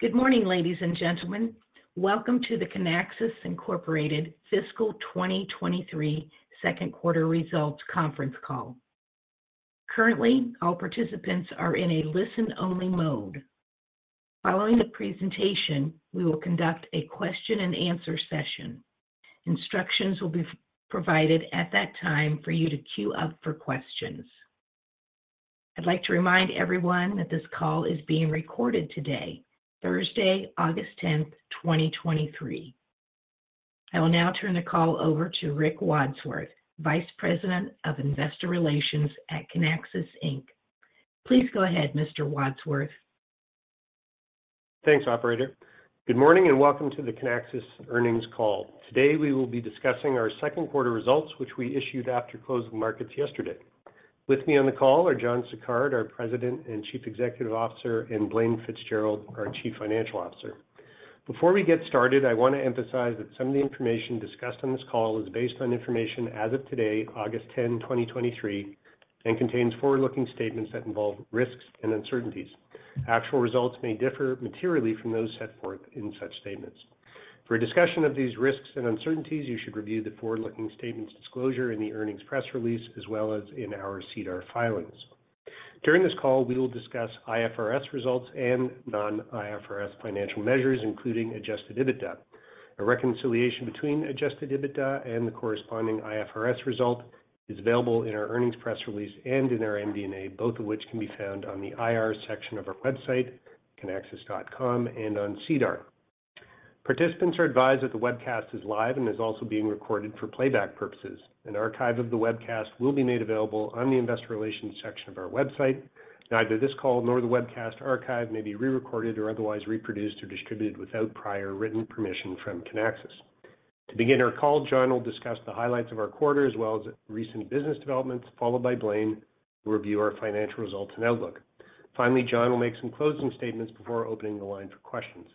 Good morning, ladies and gentlemen. Welcome to the Kinaxis Incorporated Fiscal 2023 second quarter results conference call. Currently, all participants are in a listen-only mode. Following the presentation, we will conduct a question and answer session. Instructions will be provided at that time for you to queue up for questions. I'd like to remind everyone that this call is being recorded today, Thursday, August 10th, 2023. I will now turn the call over to Rick Wadsworth, Vice President of Investor Relations at Kinaxis Inc, please go ahead, Mr. Wadsworth. Thanks, operator. Good morning, and welcome to the Kinaxis earnings call. Today, we will be discussing our second quarter results, which we issued after closing markets yesterday. With me on the call are John Sicard, our President and Chief Executive Officer, and Blaine Fitzgerald, our Chief Financial Officer. Before we get started, I want to emphasize that some of the information discussed on this call is based on information as of today, August 10, 2023, and contains forward-looking statements that involve risks and uncertainties. Actual results may differ materially from those set forth in such statements. For a discussion of these risks and uncertainties, you should review the forward-looking statements disclosure in the earnings press release, as well as in our SEDAR filings. During this call, we will discuss IFRS results and non-IFRS financial measures, including Adjusted EBITDA. A reconciliation between Adjusted EBITDA and the corresponding IFRS result is available in our earnings press release and in our MD&A, both of which can be found on the IR section of our website, kinaxis.com, and on SEDAR. Participants are advised that the webcast is live and is also being recorded for playback purposes. An archive of the webcast will be made available on the Investor Relations section of our website. Neither this call nor the webcast archive may be re-recorded or otherwise reproduced or distributed without prior written permission from Kinaxis. To begin our call, John will discuss the highlights of our quarter, as well as recent business developments, followed by Blaine, to review our financial results and outlook. Finally, John will make some closing statements before opening the line for questions.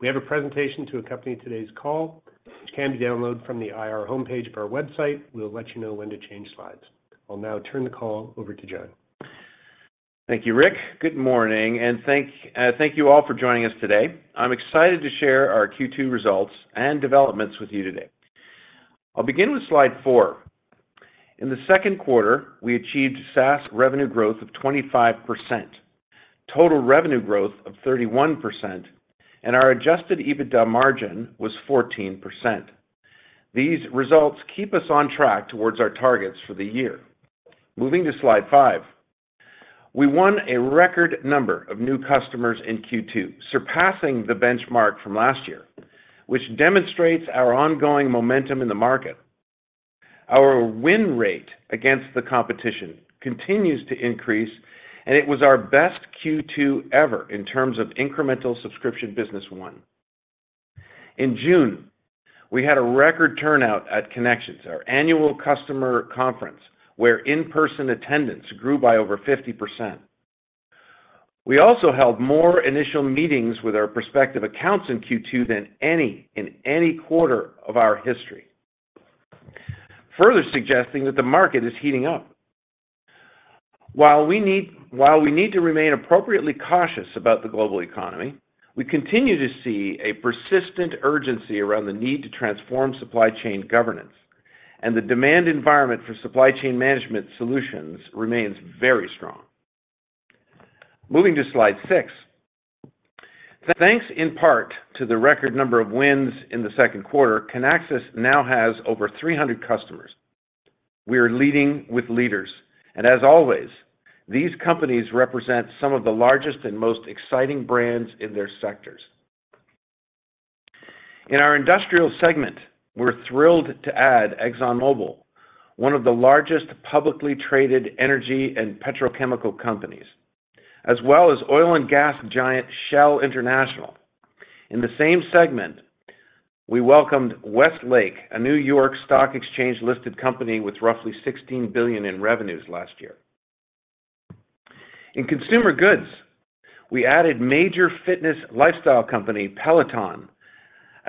We have a presentation to accompany today's call, which can be downloaded from the IR homepage of our website. We'll let you know when to change slides. I'll now turn the call over to John. Thank you, Rick. Good morning, and thank you all for joining us today. I'm excited to share our Q2 results and developments with you today. I'll begin with slide four. In the second quarter, we achieved SaaS revenue growth of 25%, total revenue growth of 31%, and our Adjusted EBITDA margin was 14%. These results keep us on track towards our targets for the year. Moving to slide five. We won a record number of new customers in Q2, surpassing the benchmark from last year, which demonstrates our ongoing momentum in the market. Our win rate against the competition continues to increase, and it was our best Q2 ever in terms of incremental subscription business won. In June, we had a record turnout at Kinexions, our annual customer conference, where in-person attendance grew by over 50%. We also held more initial meetings with our prospective accounts in Q2 than any, in any quarter of our history, further suggesting that the market is heating up. While we need, while we need to remain appropriately cautious about the global economy, we continue to see a persistent urgency around the need to transform supply chain governance, and the demand environment for supply chain management solutions remains very strong. Moving to slide six. Thanks in part to the record number of wins in the second quarter, Kinaxis now has over 300 customers. We are leading with leaders, and as always, these companies represent some of the largest and most exciting brands in their sectors. In our industrial segment, we're thrilled to add ExxonMobil, one of the largest publicly traded energy and petrochemical companies, as well as oil and gas giant, Shell International. In the same segment, we welcomed Westlake, a New York Stock Exchange-listed company with roughly $16 billion in revenues last year. In consumer goods, we added major fitness lifestyle company, Peloton,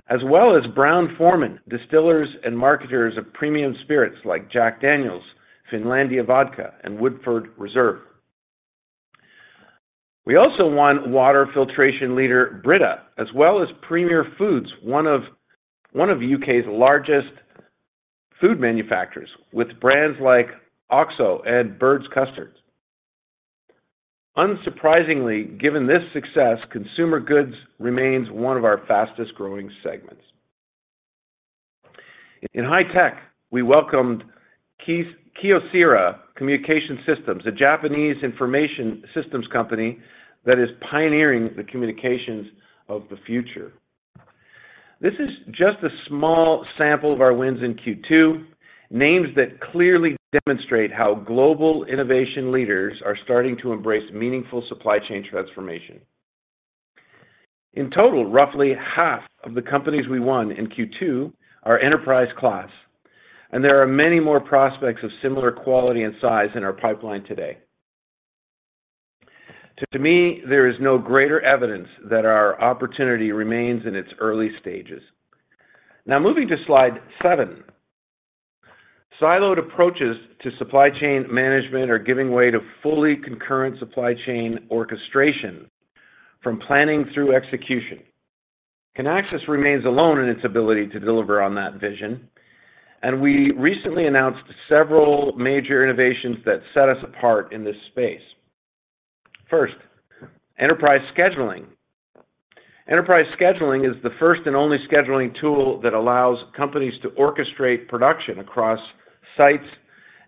as well as Brown-Forman, distillers and marketers of premium spirits like Jack Daniel's, Finlandia Vodka, and Woodford Reserve. We also won water filtration leader, BRITA, as well as Premier Foods, one of U.K.'s largest food manufacturers, with brands like OXO and Bird's Custard. Unsurprisingly, given this success, consumer goods remains one of our fastest-growing segments. In high tech, we welcomed Kyocera Communication Systems, a Japanese information systems company that is pioneering the communications of the future. This is just a small sample of our wins in Q2, names that clearly demonstrate how global innovation leaders are starting to embrace meaningful supply chain transformation. In total, roughly half of the companies we won in Q2 are enterprise class, and there are many more prospects of similar quality and size in our pipeline today. To me, there is no greater evidence that our opportunity remains in its early stages. Now, moving to slide seven. Siloed approaches to supply chain management are giving way to fully concurrent supply chain orchestration from planning through execution. Kinaxis remains alone in its ability to deliver on that vision, and we recently announced several major innovations that set us apart in this space. First, Enterprise Scheduling. Enterprise Scheduling is the first and only scheduling tool that allows companies to orchestrate production across sites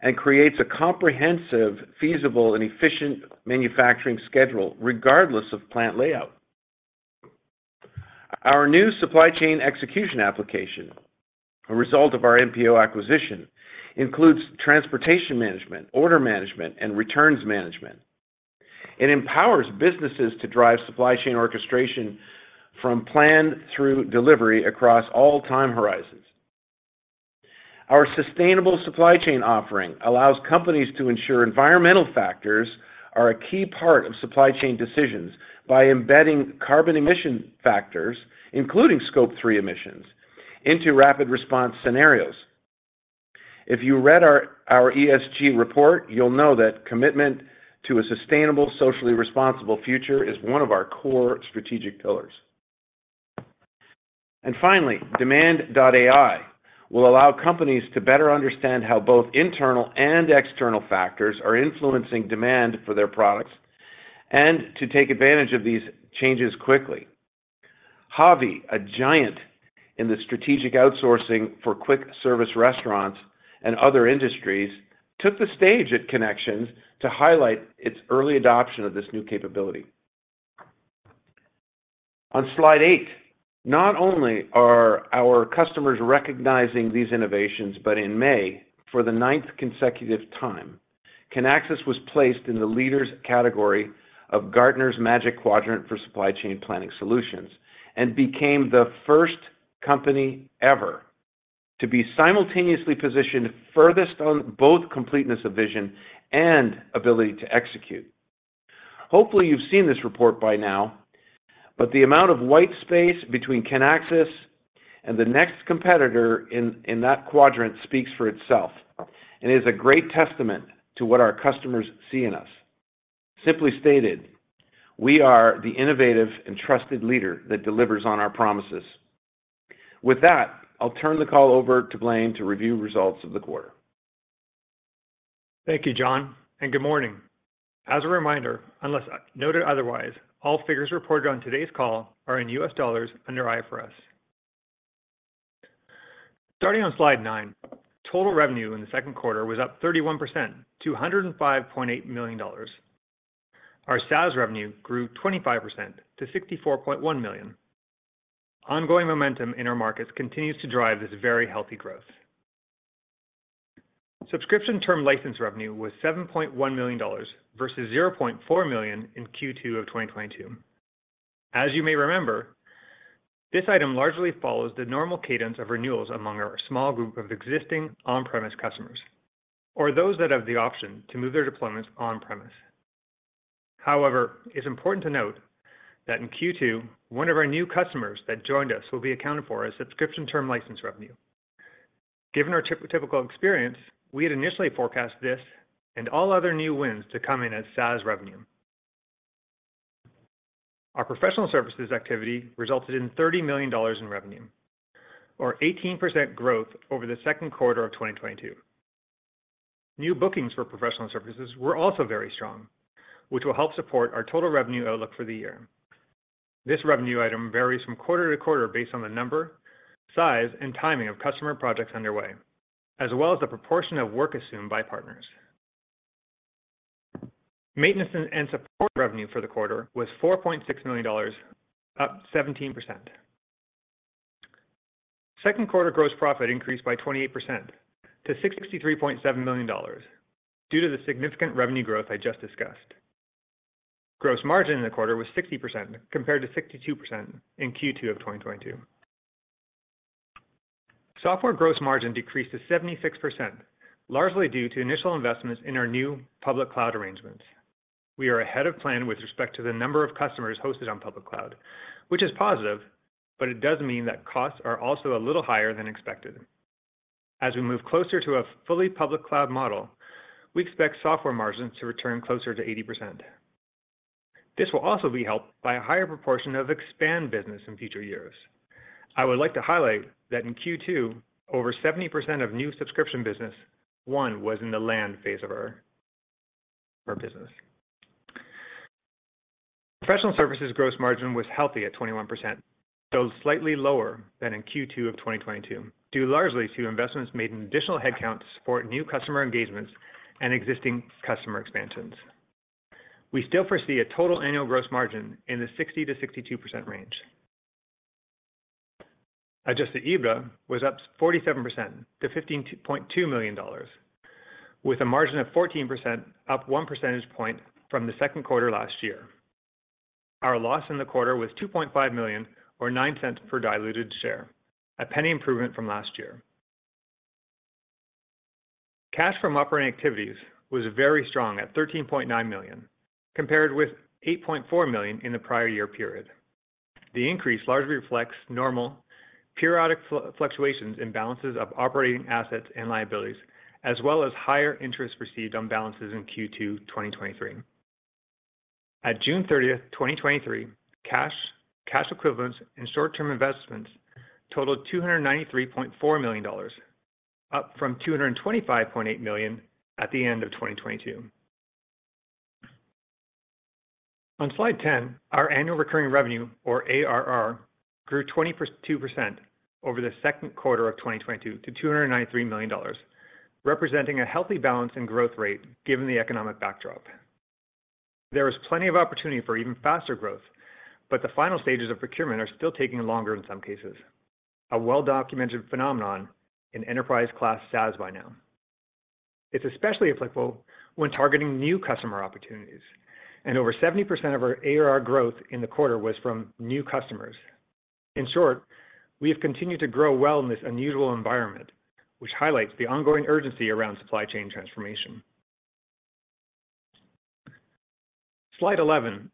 and creates a comprehensive, feasible, and efficient manufacturing schedule, regardless of plant layout. Our new supply chain execution application, a result of our MPO acquisition, includes transportation management, order management, and returns management. It empowers businesses to drive supply chain orchestration from plan through delivery across all time horizons. Our sustainable supply chain offering allows companies to ensure environmental factors are a key part of supply chain decisions by embedding carbon emission factors, including Scope 3 emissions, into RapidResponse scenarios. If you read our ESG report, you'll know that commitment to a sustainable, socially responsible future is one of our core strategic pillars. Finally, Demand.AI will allow companies to better understand how both internal and external factors are influencing demand for their products and to take advantage of these changes quickly. HAVI, a giant in the strategic outsourcing for quick service restaurants and other industries, took the stage at Kinexions to highlight its early adoption of this new capability. On slide eight, not only are our customers recognizing these innovations, but in May, for the ninth consecutive time, Kinaxis was placed in the leaders category of Gartner's Magic Quadrant for Supply Chain Planning Solutions, and became the first company ever to be simultaneously positioned furthest on both completeness of vision and ability to execute. Hopefully, you've seen this report by now, but the amount of white space between Kinaxis and the next competitor in that quadrant speaks for itself, and is a great testament to what our customers see in us. Simply stated, we are the innovative and trusted leader that delivers on our promises. With that, I'll turn the call over to Blaine to review results of the quarter. Thank you, John, and good morning. As a reminder, unless noted otherwise, all figures reported on today's call are in U.S. dollars under IFRS. Starting on slide nine, total revenue in the second quarter was up 31% to $105.8 million. Our SaaS revenue grew 25% to $64.1 million. Ongoing momentum in our markets continues to drive this very healthy growth. Subscription term license revenue was $7.1 million versus $0.4 million in Q2 2022. As you may remember, this item largely follows the normal cadence of renewals among our small group of existing on-premise customers, or those that have the option to move their deployments on-premise. However, it's important to note that in Q2, one of our new customers that joined us will be accounted for as subscription term license revenue. Given our typical experience, we had initially forecast this and all other new wins to come in as SaaS revenue. Our professional services activity resulted in $30 million in revenue, or 18% growth over the second quarter of 2022. New bookings for professional services were also very strong, which will help support our total revenue outlook for the year. This revenue item varies from quarter to quarter based on the number, size, and timing of customer projects underway, as well as the proportion of work assumed by partners. Maintenance and support revenue for the quarter was $4.6 million, up 17%. Second quarter gross profit increased by 28% to $63.7 million due to the significant revenue growth I just discussed. Gross margin in the quarter was 60%, compared to 62% in Q2 of 2022. Software gross margin decreased to 76%, largely due to initial investments in our new public cloud arrangements. We are ahead of plan with respect to the number of customers hosted on public cloud, which is positive, but it does mean that costs are also a little higher than expected. As we move closer to a fully public cloud model, we expect software margins to return closer to 80%. This will also be helped by a higher proportion of expand business in future years. I would like to highlight that in Q2, over 70% of new subscription business, one, was in the land phase of our, our business. Professional services gross margin was healthy at 21%, though slightly lower than in Q2 of 2022, due largely to investments made in additional headcount to support new customer engagements and existing customer expansions. We still foresee a total annual gross margin in the 60%-62% range. Adjusted EBITDA was up 47% to $15.2 million, with a margin of 14%, up 1 percentage point from the second quarter last year. Our loss in the quarter was $2.5 million, or $0.09 per diluted share, a $0.01 improvement from last year. Cash from operating activities was very strong at $13.9 million, compared with $8.4 million in the prior year period. The increase largely reflects normal periodic fluctuations in balances of operating assets and liabilities, as well as higher interest received on balances in Q2 2023. At June 30, 2023, cash, cash equivalents and short-term investments totaled $293.4 million, up from $225.8 million at the end of 2022. On slide 10, our annual recurring revenue, or ARR, grew 22% over the second quarter of 2022 to $293 million, representing a healthy balance and growth rate given the economic backdrop. There is plenty of opportunity for even faster growth, but the final stages of procurement are still taking longer in some cases, a well-documented phenomenon in enterprise class SaaS by now. It's especially applicable when targeting new customer opportunities, and over 70% of our ARR growth in the quarter was from new customers. In short, we have continued to grow well in this unusual environment, which highlights the ongoing urgency around supply chain transformation. Slide 11.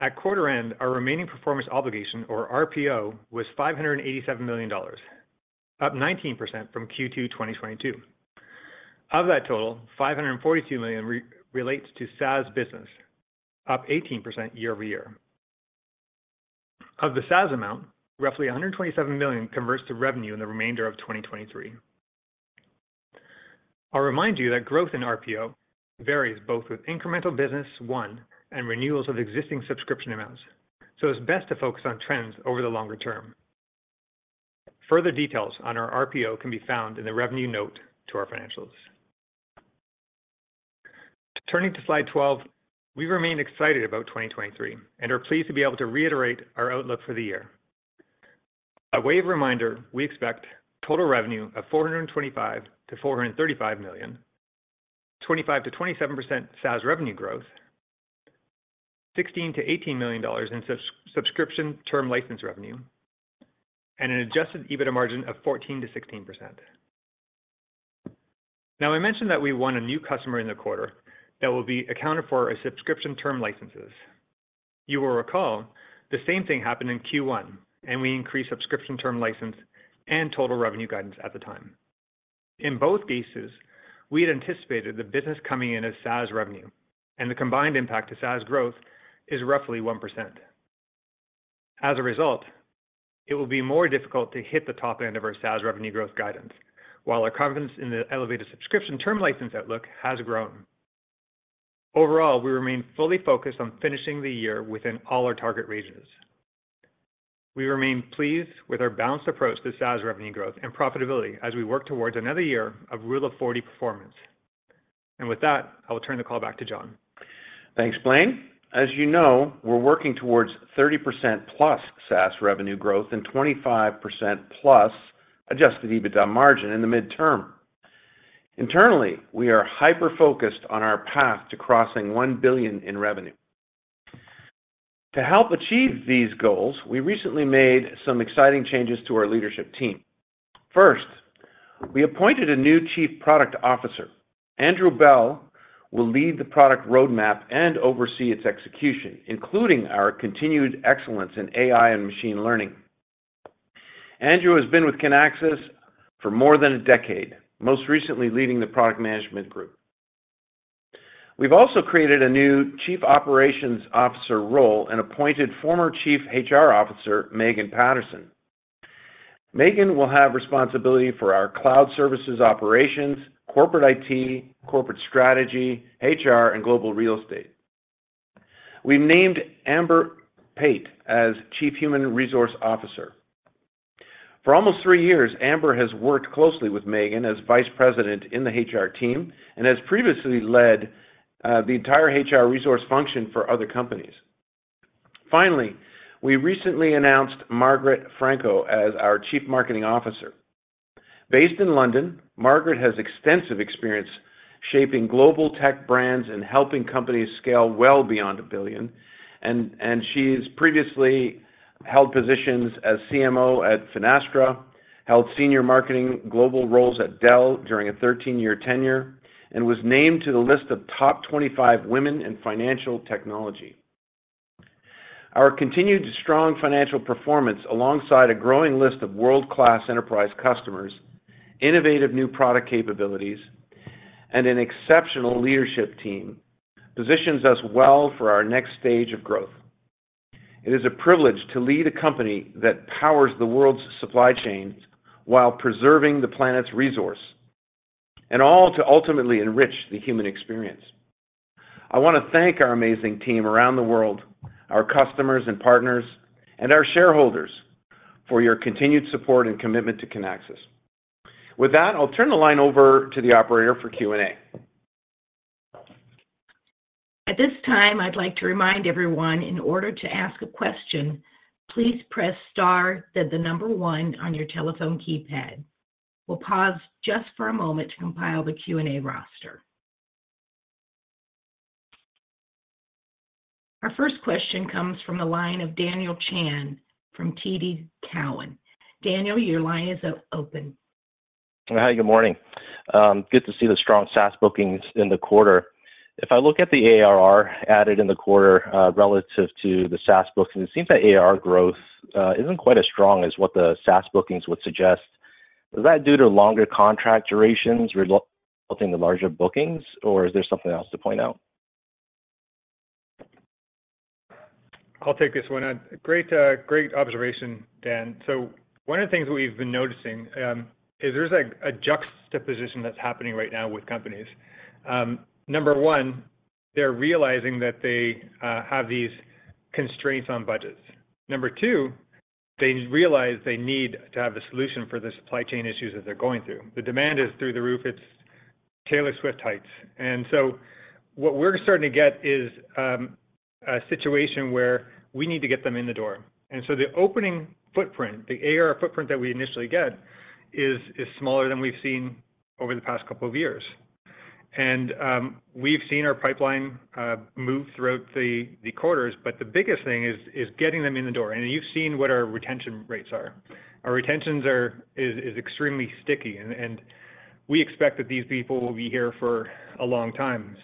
At quarter end, our remaining performance obligation, or RPO, was $587 million, up 19% from Q2 2022. Of that total, $542 million relates to SaaS business, up 18% year-over-year. Of the SaaS amount, roughly $127 million converts to revenue in the remainder of 2023. I'll remind you that growth in RPO varies both with incremental business won and renewals of existing subscription amounts, so it's best to focus on trends over the longer term. Further details on our RPO can be found in the revenue note to our financials. Turning to slide 12, we remain excited about 2023 and are pleased to be able to reiterate our outlook for the year. A way of reminder, we expect total revenue of $425 million-$435 million, 25%-27% SaaS revenue growth, $16 million-$18 million in subscription term license revenue, and an Adjusted EBITDA margin of 14%-16%. Now, I mentioned that we won a new customer in the quarter that will be accounted for as subscription term licenses. You will recall, the same thing happened in Q1, and we increased subscription term license and total revenue guidance at the time. In both cases, we had anticipated the business coming in as SaaS revenue, and the combined impact to SaaS growth is roughly 1%. As a result, it will be more difficult to hit the top end of our SaaS revenue growth guidance, while our confidence in the elevated subscription term license outlook has grown. Overall, we remain fully focused on finishing the year within all our target ranges. We remain pleased with our balanced approach to SaaS revenue growth and profitability as we work towards another year of Rule of 40 performance. With that, I will turn the call back to John. Thanks, Blaine. As you know, we're working towards 30% plus SaaS revenue growth and 25% plus adjusted EBITDA margin in the midterm. Internally, we are hyper-focused on our path to crossing $1 billion in revenue. To help achieve these goals, we recently made some exciting changes to our leadership team. First, we appointed a new Chief Product Officer. Andrew Bell will lead the product roadmap and oversee its execution, including our continued excellence in AI and machine learning. Andrew has been with Kinaxis for more than a decade, most recently leading the product management group. We've also created a new Chief Operations Officer role and appointed former Chief HR Officer, Megan Paterson. Megan will have responsibility for our cloud services operations, corporate IT, corporate strategy, HR, and global real estate. We've named Amber Pate as Chief Human Resource Officer. For almost three years, Amber has worked closely with Megan as Vice President in the HR team and has previously led the entire HR resource function for other companies. Finally, we recently announced Margaret Franco as our Chief Marketing Officer. Based in London, Margaret has extensive experience shaping global tech brands and helping companies scale well beyond a billion, and she's previously held positions as CMO at Finastra, held senior marketing global roles at Dell during a 13-year tenure, and was named to the list of The Top 25 Women Leaders in Financial Technology. Our continued strong financial performance, alongside a growing list of world-class enterprise customers, innovative new product capabilities, and an exceptional leadership team, positions us well for our next stage of growth. It is a privilege to lead a company that powers the world's supply chains while preserving the planet's resource, all to ultimately enrich the human experience. I want to thank our amazing team around the world, our customers and partners, and our shareholders for your continued support and commitment to Kinaxis. With that, I'll turn the line over to the operator for Q&A. At this time, I'd like to remind everyone, in order to ask a question, please press star, then the number one on your telephone keypad. We'll pause just for a moment to compile the Q&A roster. Our first question comes from the line of Daniel Chan from TD Cowen. Daniel, your line is open. Hi, good morning. Good to see the strong SaaS bookings in the quarter. If I look at the ARR added in the quarter, relative to the SaaS bookings, it seems that ARR growth isn't quite as strong as what the SaaS bookings would suggest. Is that due to longer contract durations result- resulting in the larger bookings, or is there something else to point out? I'll take this one. Great, great observation, Dan. One of the things we've been noticing is there's a juxtaposition that's happening right now with companies. Number one, they're realizing that they have these constraints on budgets. Number two, they realize they need to have a solution for the supply chain issues that they're going through. The demand is through the roof, it's Taylor Swift heights. What we're starting to get is a situation where we need to get them in the door. The opening footprint, the ARR footprint that we initially get, is smaller than we've seen over the past couple of years. We've seen our pipeline move throughout the quarters, but the biggest thing is getting them in the door. You've seen what our retention rates are. Our retentions is extremely sticky, and we expect that these people will be here for a long time.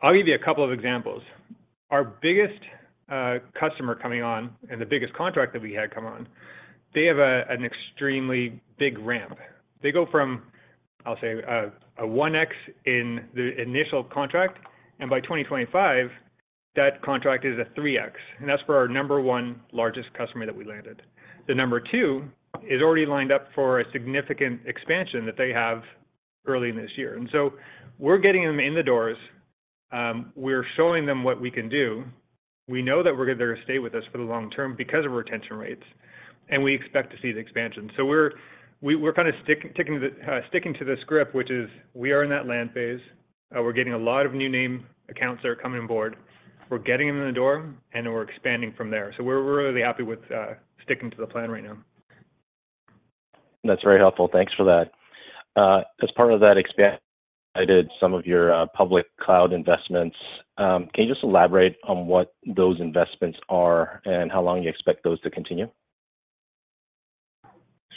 I'll give you a couple of examples. Our biggest customer coming on, and the biggest contract that we had come on, they have an extremely big ramp. They go from, I'll say, a 1x in the initial contract, and by 2025, that contract is a 3x, and that's for our number one largest customer that we landed. The number two is already lined up for a significant expansion that they have early in this year. We're getting them in the doors, we're showing them what we can do. We know that they're going to stay with us for the long term because of our retention rates, and we expect to see the expansion. we're kind of sticking to the sticking to the script, which is we are in that land phase, we're getting a lot of new name accounts that are coming on board. We're getting them in the door, and then we're expanding from there. we're really happy with sticking to the plan right now. That's very helpful. Thanks for that. As part of that expansion, I did some of your, public cloud investments. Can you just elaborate on what those investments are, and how long you expect those to continue?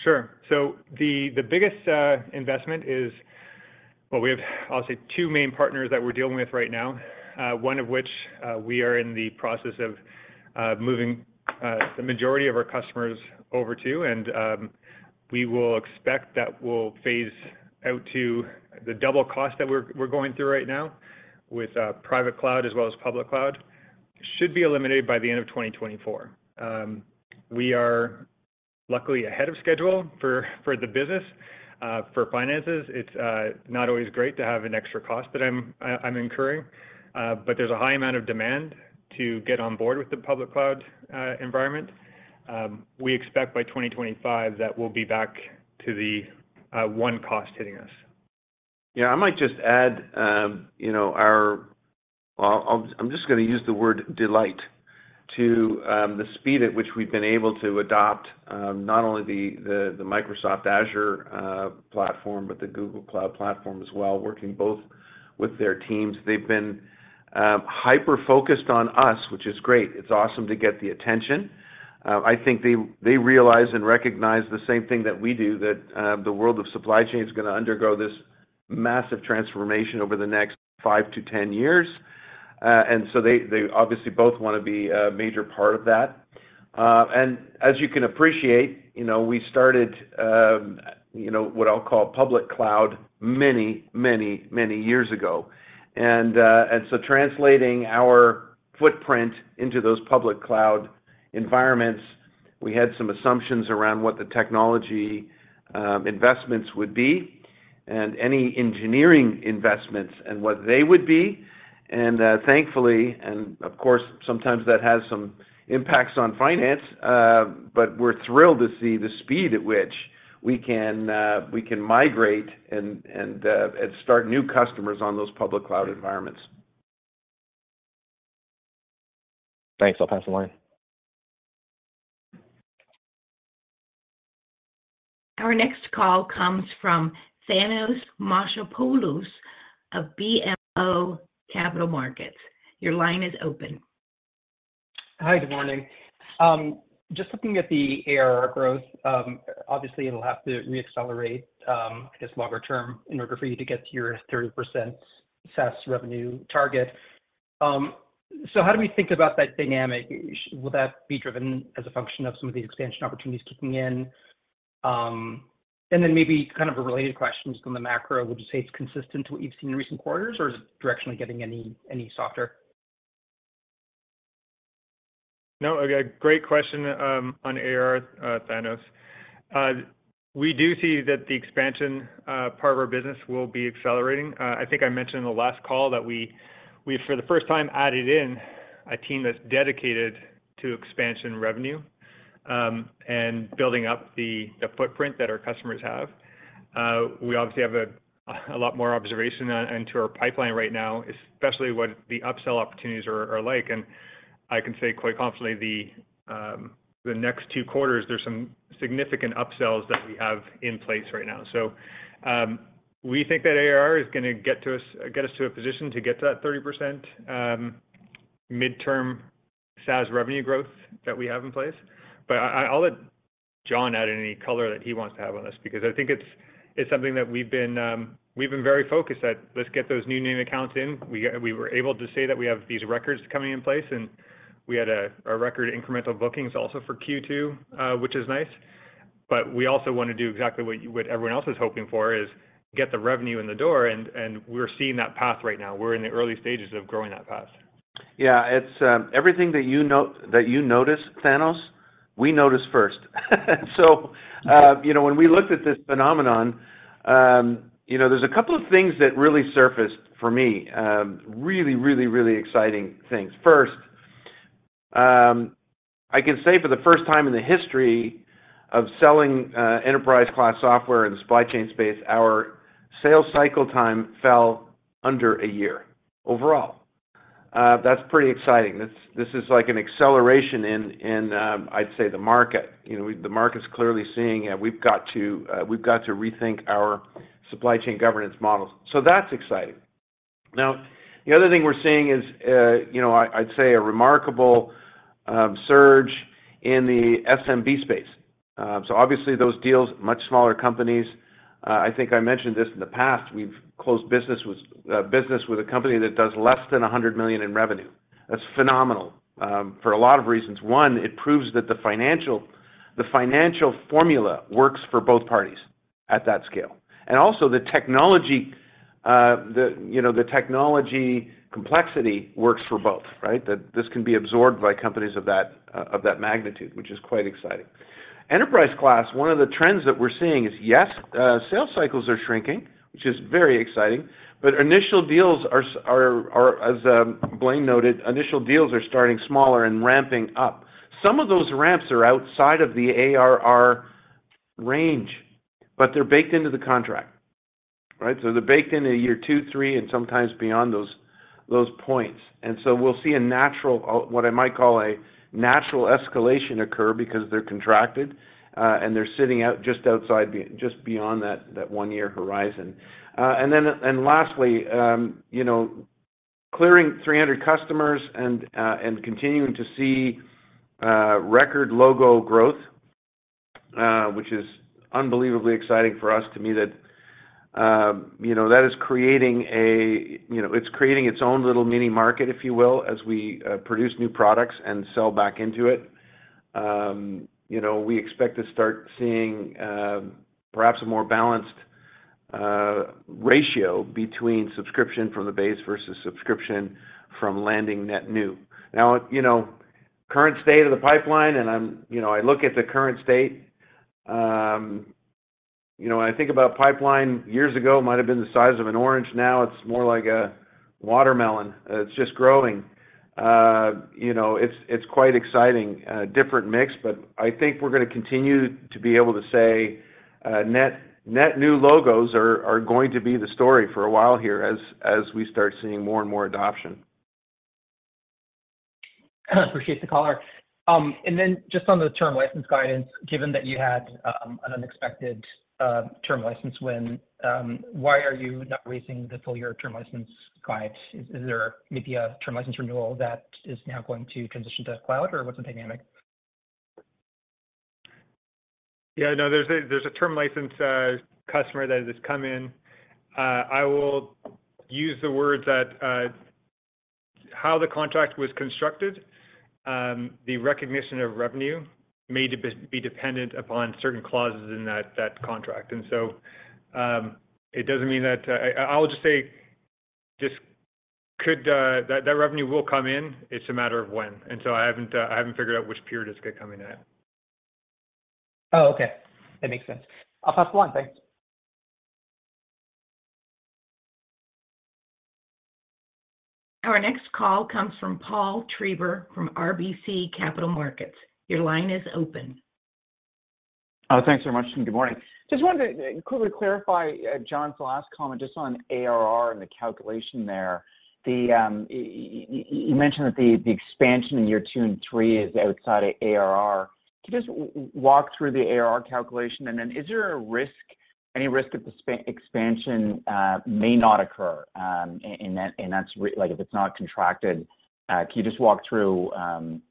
Sure. The, the biggest investment is. Well, we have, I'll say, two main partners that we're dealing with right now, one of which, we are in the process of moving the majority of our customers over to, and, we will expect that we'll phase out to the double cost that we're, we're going through right now with private cloud as well as public cloud. Should be eliminated by the end of 2024. We are luckily ahead of schedule for, for the business, for finances. It's not always great to have an extra cost that I'm incurring, but there's a high amount of demand to get on board with the public cloud environment. We expect by 2025, that we'll be back to the one cost hitting us. Yeah, I might just add, you know, I'm just going to use the word delight to the speed at which we've been able to adopt, not only the, the, the Microsoft Azure platform, but the Google Cloud platform as well, working both with their teams. They've been hyper-focused on us, which is great. It's awesome to get the attention. I think they, they realize and recognize the same thing that we do, that the world of supply chain is going to undergo this massive transformation over the next five-10 years. So they, they obviously both want to be a major part of that. As you can appreciate, you know, we started, you know, what I'll call public cloud many, many, many years ago. Translating our footprint into those public cloud environments, we had some assumptions around what the technology investments would be, and any engineering investments and what they would be. Thankfully, and of course, sometimes that has some impacts on finance, but we're thrilled to see the speed at which we can migrate and start new customers on those public cloud environments. Thanks. I'll pass the line. Our next call comes from Thanos Moschopoulos of BMO Capital Markets. Your line is open. Hi, good morning. Just looking at the ARR growth, obviously, it'll have to reaccelerate, I guess, longer term in order for you to get to your 30% SaaS revenue target. How do we think about that dynamic? Will that be driven as a function of some of the expansion opportunities kicking in? Maybe kind of a related question from the macro, would you say it's consistent to what you've seen in recent quarters, or is it directionally getting any, any softer? No, again, great question, on ARR, Thanos. We do see that the expansion, part of our business will be accelerating. I think I mentioned in the last call that we, we, for the first time, added in a team that's dedicated to expansion revenue, and building up the, the footprint that our customers have. We obviously have a, a lot more observation into our pipeline right now, especially what the upsell opportunities are, are like. And I can say quite confidently, the, the next two quarters, there's some significant upsells that we have in place right now. So, we think that ARR is going to get to us- get us to a position to get to that 30% midterm SaaS revenue growth that we have in place. I, I, I'll let John add any color that he wants to have on this, because I think it's, it's something that we've been very focused at. Let's get those new name accounts in. We, we were able to say that we have these records coming in place, and we had a, a record incremental bookings also for Q2, which is nice. We also want to do exactly what, what everyone else is hoping for, is get the revenue in the door, and, and we're seeing that path right now. We're in the early stages of growing that path. Yeah, it's everything that you notice, Thanos, we notice first. You know, when we looked at this phenomenon, you know, there's a couple of things that really surfaced for me, really, really, really exciting things. First, I can say for the first time in the history of selling, enterprise-class software in the supply chain space, our sales cycle time fell under a year overall. That's pretty exciting. This, this is like an acceleration in, in, I'd say, the market. You know, the market's clearly seeing, we've got to rethink our supply chain governance models, that's exciting. The other thing we're seeing is, you know, I, I'd say a remarkable, surge in the SMB space. So obviously those deals, much smaller companies, I think I mentioned this in the past, we've closed business with a company that does less than 100 million in revenue. That's phenomenal for a lot of reasons. One, it proves that the financial formula works for both parties at that scale. And also the technology, you know, the technology complexity works for both, right? That this can be absorbed by companies of that magnitude, which is quite exciting. Enterprise class, one of the trends that we're seeing is, yes, sales cycles are shrinking, which is very exciting, but initial deals are, as Blaine noted, initial deals are starting smaller and ramping up. Some of those ramps are outside of the ARR range, but they're baked into the contract, right? They're baked in at year two, three, and sometimes beyond those, those points. We'll see a natural, what I might call a natural escalation occur because they're contracted, and they're sitting out, just outside just beyond that, that one-year horizon. Lastly, you know, clearing 300 customers and continuing to see record logo growth, which is unbelievably exciting for us. To me, that, you know, that is creating. You know, it's creating its own little mini market, if you will, as we produce new products and sell back into it. You know, we expect to start seeing, perhaps a more balanced ratio between subscription from the base versus subscription from landing net new. Now, you know, current state of the pipeline, and I'm, you know, I look at the current state, you know, when I think about pipeline, years ago might have been the size of an orange, now it's more like a watermelon. It's just growing. You know, it's, it's quite exciting, a different mix, but I think we're going to continue to be able to say, net, net new logos are, are going to be the story for a while here as, as we start seeing more and more adoption. Appreciate the color. Just on the term license guidance, given that you had an unexpected term license win, why are you not raising the full year term license guide? Is there maybe a term license renewal that is now going to transition to cloud, or what's the dynamic? Yeah, no, there's a, there's a term license customer that has just come in. I will use the words that how the contract was constructed, the recognition of revenue may depe- be dependent upon certain clauses in that, that contract. It doesn't mean that... I, I, I will just say, just could, that, that revenue will come in, it's a matter of when. I haven't I haven't figured out which period it's going to come in at. Oh, okay. That makes sense. I'll pass along. Thanks. Our next call comes from Paul Treiber, from RBC Capital Markets. Your line is open. Oh, thanks very much, and good morning. Just wanted to quickly clarify, John's last comment, just on ARR and the calculation there. The, he, he, he mentioned that the, the expansion in year two and three is outside of ARR. Can you just walk through the ARR calculation, and then is there a risk, any risk that the expansion may not occur, and that, and that's like, if it's not contracted? Can you just walk through,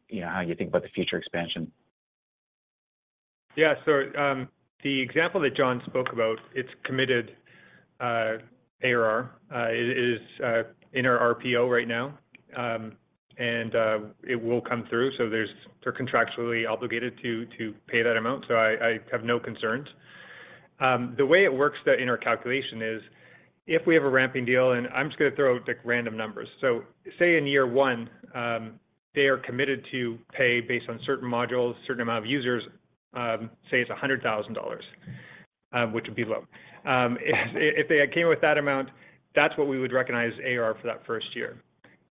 you know, how you think about the future expansion? Yeah. So, the example that John spoke about, it's committed ARR. It is in our RPO right now, and it will come through, so they're contractually obligated to pay that amount, so I have no concerns. The way it works in our calculation is, if we have a ramping deal, and I'm just going to throw out, like, random numbers. Say in year one, they are committed to pay based on certain modules, certain amount of users, say it's $100,000, which would be low. If they came in with that amount, that's what we would recognize as ARR for that first year.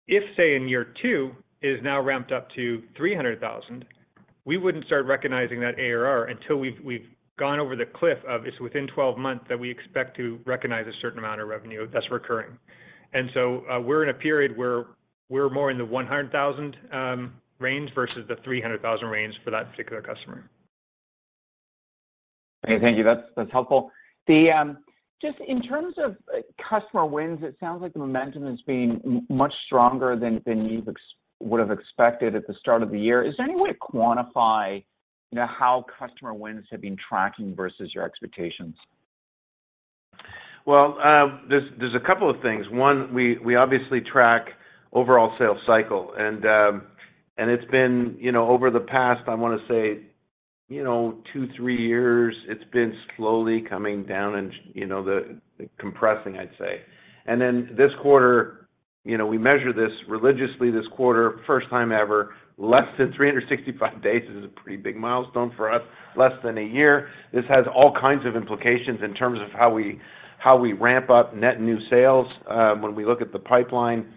If, say, in year two, it is now ramped up to $300,000, we wouldn't start recognizing that ARR until we've, we've gone over the cliff of, it's within 12 months that we expect to recognize a certain amount of revenue that's recurring. We're in a period where we're more in the $100,000 range versus the $300,000 range for that particular customer. Okay, thank you. That's, that's helpful. Just in terms of customer wins, it sounds like the momentum is being much stronger than you would have expected at the start of the year. Is there any way to quantify, you know, how customer wins have been tracking versus your expectations? There's, there's a couple of things. One, we, we obviously track overall sales cycle, and, and it's been, you know, over the past, I wanna say, you know, two, three years, it's been slowly coming down and, you know, the- compressing, I'd say. This quarter, you know, we measure this religiously, this quarter, first time ever, less than 365 days is a pretty big milestone for us, less than a year. This has all kinds of implications in terms of how we, how we ramp up net new sales, when we look at the pipeline,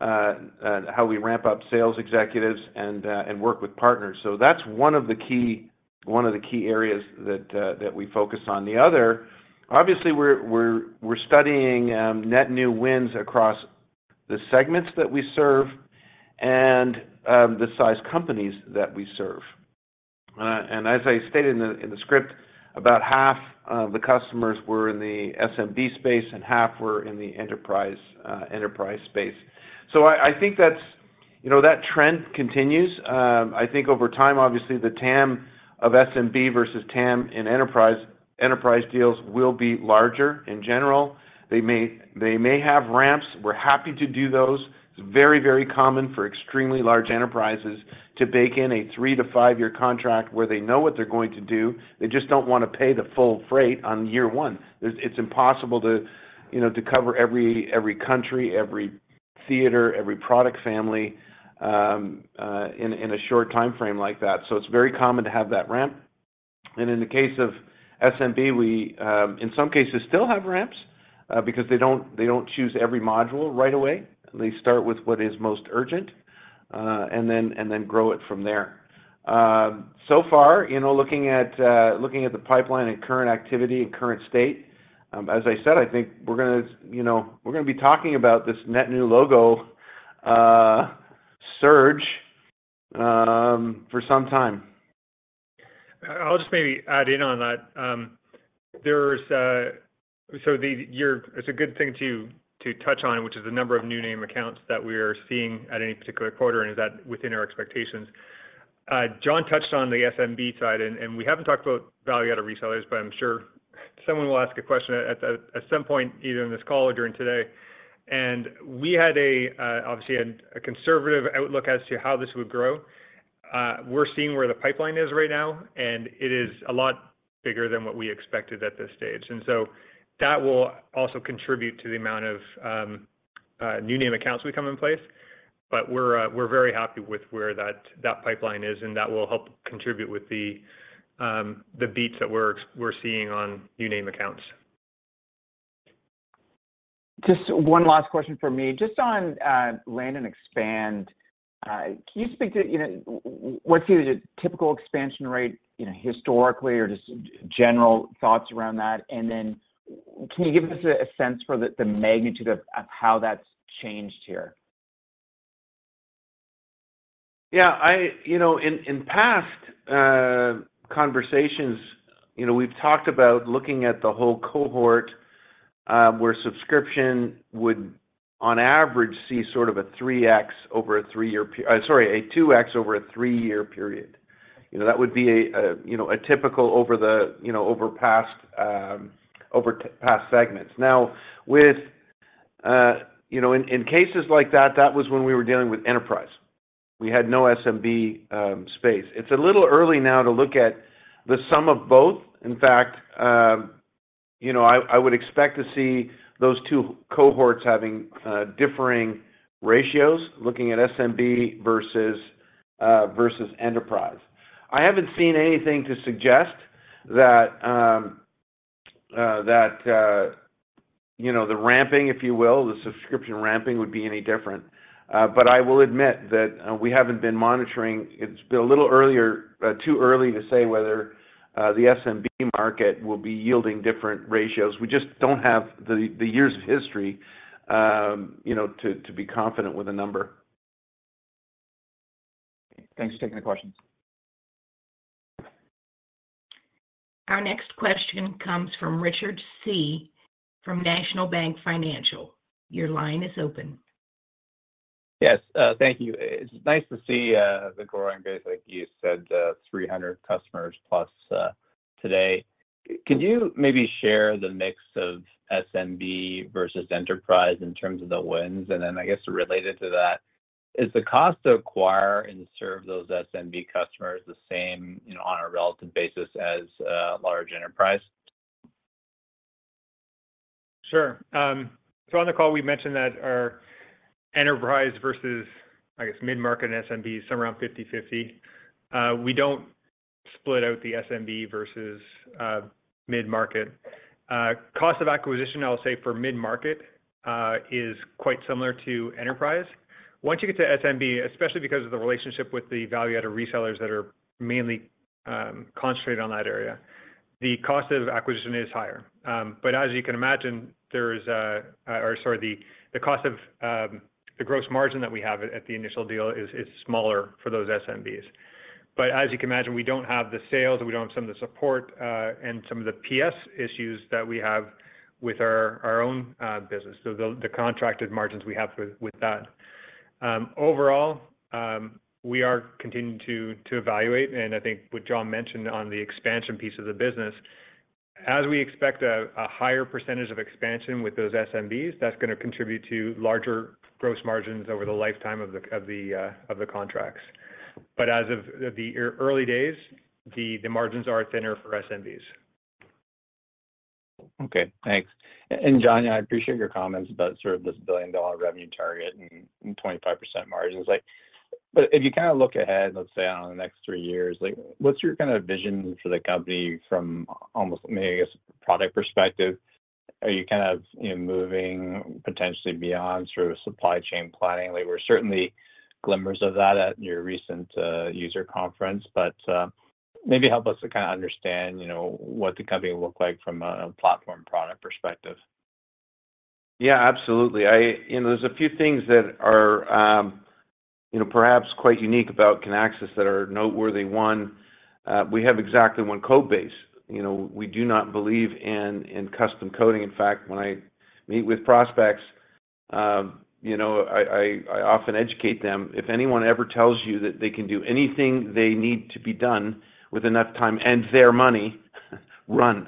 how we ramp up sales executives and, and work with partners. That's one of the key, one of the key areas that, that we focus on. The other, obviously, we're, we're, we're studying, net new wins across the segments that we serve and, the size companies that we serve. As I stated in the script, about half of the customers were in the SMB space, and half were in the enterprise, enterprise space. I, I think that's, you know, that trend continues. I think over time, obviously, the TAM of SMB versus TAM in enterprise, enterprise deals will be larger in general. They may, they may have ramps. We're happy to do those. It's very, very common for extremely large enterprises to bake in a three to five-year contract where they know what they're going to do. They just don't wanna pay the full freight on year one. It's impossible to, you know, to cover every, every country, every theater, every product family, in a short time frame like that, so it's very common to have that ramp. In the case of SMB, we, in some cases, still have ramps, because they don't, they don't choose every module right away. They start with what is most urgent, and then, and then grow it from there. So far, you know, looking at the pipeline and current activity and current state, as I said, I think we're gonna, you know, we're gonna be talking about this net new logo, surge, for some time. I'll just maybe add in on that. So the, it's a good thing to touch on, which is the number of new name accounts that we are seeing at any particular quarter and is that within our expectations. John touched on the SMB side, and we haven't talked about value-added resellers, but I'm sure someone will ask a question at some point, either on this call or during today. We had a, obviously had a conservative outlook as to how this would grow. We're seeing where the pipeline is right now, and it is a lot bigger than what we expected at this stage. So that will also contribute to the amount of new name accounts we come in place, but we're very happy with where that, that pipeline is, and that will help contribute with the beats that we're seeing on new name accounts. Just one last question from me. Just on land and expand, can you speak to, you know, what's your typical expansion rate, you know, historically, or just general thoughts around that? Can you give us a sense for the magnitude of how that's changed here? Yeah, I... You know, in, in past conversations, you know, we've talked about looking at the whole cohort, where subscription would, on average, see sort of a 3x over a three-year, sorry, a 2x over a three-year period. You know, that would be a, a, you know, a typical over the, you know, over past past segments. Now, with... You know, in, in cases like that, that was when we were dealing with enterprise. We had no SMB space. It's a little early now to look at the sum of both. In fact, you know, I, I would expect to see those two cohorts having differing ratios, looking at SMB versus versus enterprise. I haven't seen anything to suggest that, you know, the ramping, if you will, the subscription ramping would be any different. I will admit that we haven't been monitoring. It's a little earlier, too early to say whether the SMB market will be yielding different ratios. We just don't have the, the years of history, you know, to, to be confident with the number. Thanks for taking the questions. Our next question comes from Richard Tse from National Bank Financial. Your line is open. Yes, thank you. It's nice to see the growing base, like you said, 300 customers plus today. Could you maybe share the mix of SMB versus enterprise in terms of the wins? I guess, related to that, is the cost to acquire and serve those SMB customers the same, you know, on a relative basis as large enterprise? Sure. On the call, we mentioned that our enterprise versus, I guess, mid-market SMB, somewhere around 50/50. We don't split out the SMB versus mid-market. Cost of acquisition, I'll say for mid-market, is quite similar to enterprise. Once you get to SMB, especially because of the relationship with the Value-Added Resellers that are mainly concentrated on that area, the cost of acquisition is higher. As you can imagine, there's a, or sorry, the, the cost of the gross margin that we have at the initial deal is smaller for those SMBs.... As you can imagine, we don't have the sales, we don't have some of the support, and some of the PS issues that we have with our own business, so the contracted margins we have with that. Overall, we are continuing to evaluate, and I think what John mentioned on the expansion piece of the business, as we expect a higher percentage of expansion with those SMBs, that's gonna contribute to larger gross margins over the lifetime of the contracts. As of the early days, the margins are thinner for SMBs. Okay, thanks. John, I appreciate your comments about sort of this billion-dollar revenue target and 25% margins. Like, if you kinda look ahead, let's say on the next three years, like, what's your kind of vision for the company from almost maybe as a product perspective? Are you kind of, you know, moving potentially beyond sort of Supply Chain Planning? There were certainly glimmers of that at your recent user conference, maybe help us to kinda understand, you know, what the company will look like from a, a platform product perspective. Yeah, absolutely. You know, there's a few things that are, you know, perhaps quite unique about Kinaxis that are noteworthy. One, we have exactly one code base. You know, we do not believe in, in custom coding. In fact, when I meet with prospects, you know, I, I, I often educate them, "If anyone ever tells you that they can do anything they need to be done with enough time and their money, run.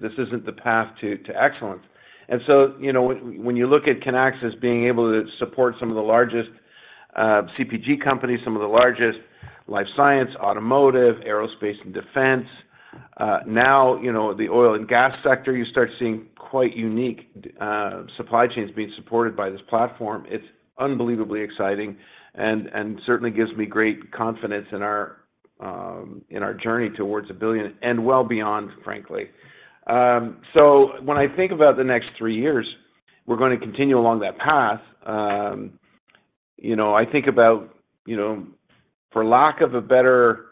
This isn't the path to, to excellence." So, you know, when you look at Kinaxis being able to support some of the largest, CPG companies, some of the largest life science, automotive, aerospace and defense, now, you know, the oil and gas sector, you start seeing quite unique, supply chains being supported by this platform. It's unbelievably exciting and certainly gives me great confidence in our, in our journey towards $1 billion, and well beyond, frankly. When I think about the next three years, we're gonna continue along that path. You know, I think about, you know, for lack of a better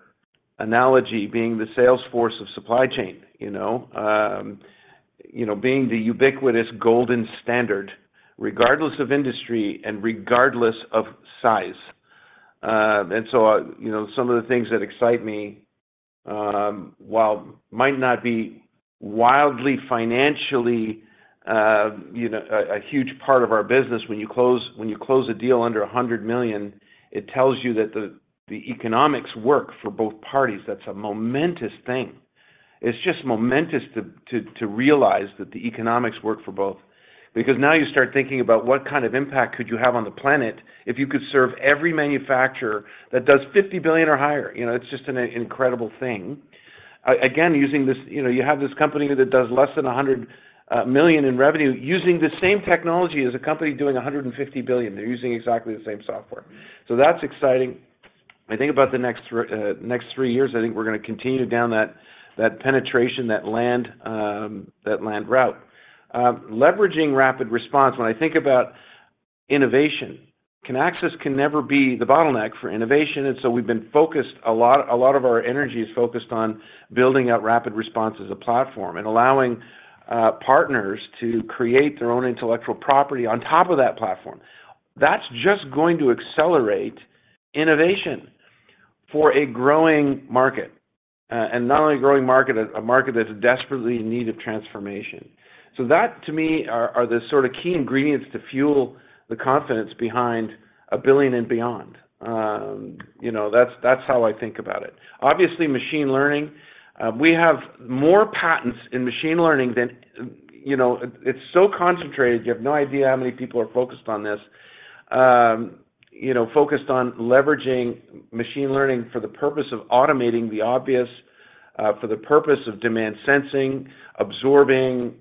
analogy, being the sales force of supply chain, you know? You know, being the ubiquitous golden standard, regardless of industry and regardless of size. So, you know, some of the things that excite me, while might not be wildly financially, you know, a, a huge part of our business, when you close, when you close a deal under $100 million, it tells you that the, the economics work for both parties. That's a momentous thing. It's just momentous to, to, to realize that the economics work for both, because now you start thinking about what kind of impact could you have on the planet if you could serve every manufacturer that does $50 billion or higher. You know, it's just an incredible thing. again, using this... You know, you have this company that does less than $100 million in revenue, using the same technology as a company doing $150 billion. They're using exactly the same software. That's exciting. I think about the next next three years, I think we're gonna continue down that, that penetration, that land, that land route. leveraging RapidResponse, when I think about innovation, Kinaxis can never be the bottleneck for innovation, and so we've been focused a lot... A lot of our energy is focused on building out RapidResponse as a platform and allowing partners to create their own intellectual property on top of that platform. That's just going to accelerate innovation for a growing market, and not only a growing market, a market that's desperately in need of transformation. That, to me, are, are the sort of key ingredients to fuel the confidence behind $1 billion and beyond. You know, that's, that's how I think about it. Obviously, machine learning, we have more patents in machine learning. You know, it, it's so concentrated, you have no idea how many people are focused on this. You know, focused on leveraging machine learning for the purpose of automating the obvious, for the purpose of demand sensing, absorbing,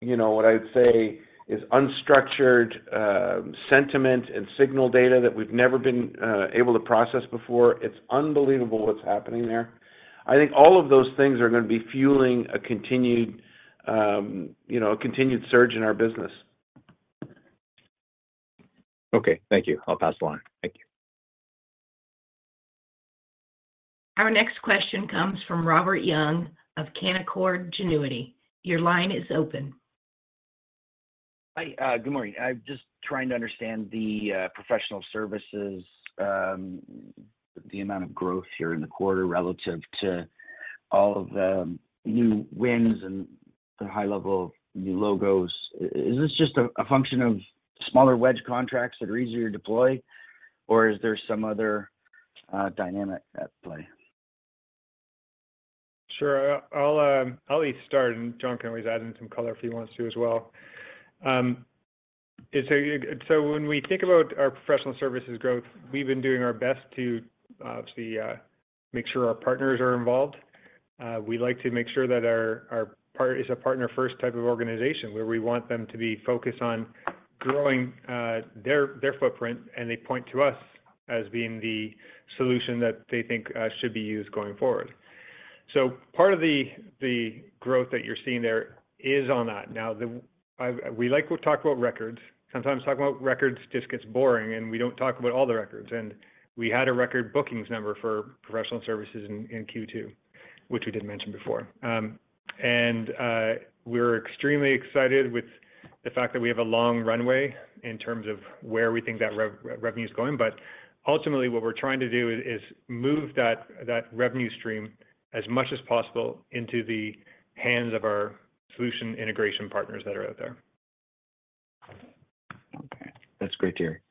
you know, what I'd say is unstructured, sentiment and signal data that we've never been able to process before. It's unbelievable what's happening there. I think all of those things are gonna be fueling a continued, you know, a continued surge in our business. Okay, thank you. I'll pass the line. Thank you. Our next question comes from Robert Young of Canaccord Genuity. Your line is open. Hi, good morning. I'm just trying to understand the professional services, the amount of growth here in the quarter relative to all of the new wins and the high-level new logos. Is this just a function of smaller wedge contracts that are easier to deploy, or is there some other dynamic at play? Sure. I'll, I'll at least start, and John can always add in some color if he wants to as well. So when we think about our professional services growth, we've been doing our best to, obviously, make sure our partners are involved. We like to make sure that our, our part- it's a partner-first type of organization, where we want them to be focused on growing, their, their footprint, and they point to us as being the solution that they think, should be used going forward. Part of the, the growth that you're seeing there is on that. Now, the, we like to talk about records. Sometimes talking about records just gets boring, and we don't talk about all the records. We had a record bookings number for professional services in, in Q2. which we did mention before. We're extremely excited with the fact that we have a long runway in terms of where we think that revenue's going. Ultimately, what we're trying to do is move that revenue stream as much as possible into the hands of our solution integration partners that are out there. Okay, that's great to hear.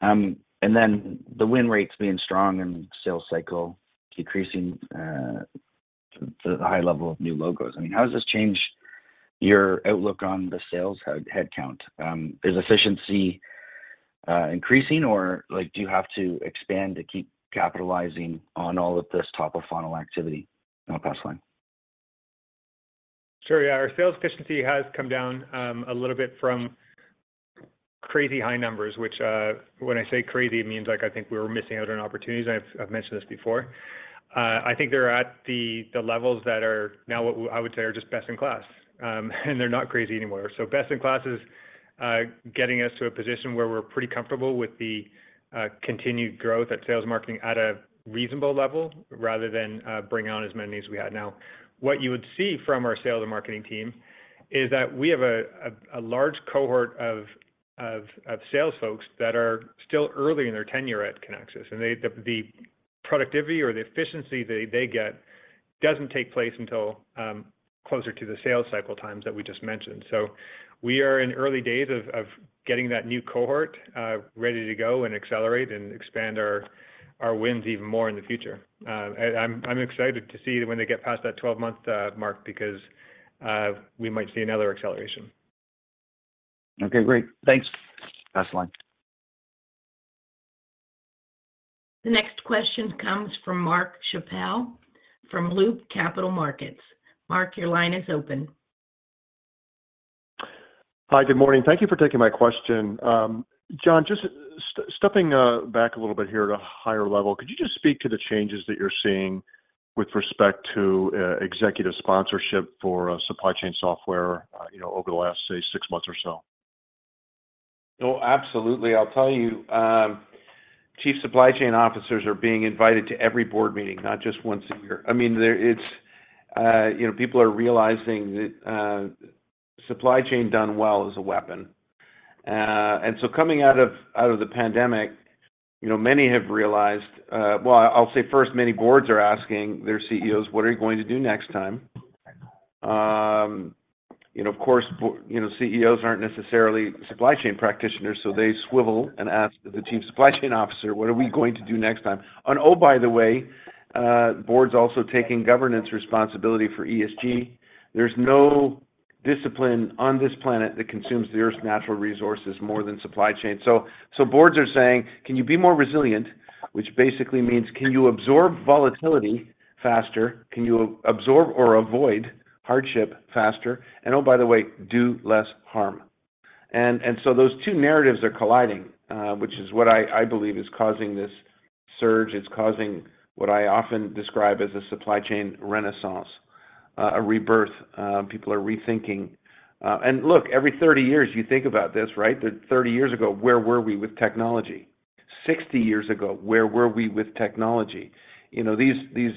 The win rates being strong and sales cycle decreasing, the high level of new logos. I mean, how has this changed your outlook on the sales headcount? Is efficiency increasing, or, like, do you have to expand to keep capitalizing on all of this top-of-funnel activity? I'll pass the line. Sure. Yeah, our sales efficiency has come down a little bit from crazy high numbers, which when I say crazy, it means, like, I think we were missing out on opportunities, and I've, I've mentioned this before. I think they're at the levels that are now what I would say are just best-in-class, and they're not crazy anymore. Best-in-class is getting us to a position where we're pretty comfortable with the continued growth at sales marketing at a reasonable level, rather than bring on as many as we had. Now, what you would see from our sales and marketing team is that we have a large cohort of sales folks that are still early in their tenure at Kinaxis, and the productivity or the efficiency they get doesn't take place until closer to the sales cycle times that we just mentioned. We are in early days of getting that new cohort ready to go and accelerate and expand our wins even more in the future. I'm excited to see when they get past that 12-month mark, because we might see another acceleration. Okay, great. Thanks. Pass the line. The next question comes from Mark Schappel from Loop Capital Markets. Mark, your line is open. Hi, good morning. Thank you for taking my question. John, just stepping back a little bit here at a higher level, could you just speak to the changes that you're seeing with respect to executive sponsorship for supply chain software, you know, over the last, say, six months or so? Oh, absolutely. I'll tell you, chief supply chain officers are being invited to every board meeting, not just once a year. I mean, there. It's, you know, people are realizing that supply chain done well is a weapon. Coming out of, out of the pandemic, you know, many have realized. Well, I'll say first, many boards are asking their CEOs: What are you going to do next time? You know, of course, you know, CEOs aren't necessarily supply chain practitioners, so they swivel and ask the team's supply chain officer: What are we going to do next time? Oh, by the way, boards are also taking governance responsibility for ESG. There's no discipline on this planet that consumes the Earth's natural resources more than supply chain. So boards are saying, "Can you be more resilient?" Which basically means, can you absorb volatility faster? Can you absorb or avoid hardship faster? Oh, by the way, do less harm. Those two narratives are colliding, which is what I, I believe is causing this surge. It's causing what I often describe as a supply chain renaissance, a rebirth. People are rethinking. Look, every 30 years, you think about this, right? That 30 years ago, where were we with technology? 60 years ago, where were we with technology? You know, these, these,